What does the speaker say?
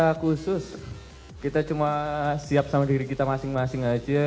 secara khusus kita cuma siap sama diri kita masing masing aja